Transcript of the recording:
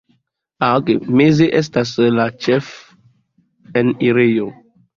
Meze estas la ĉefenirejo.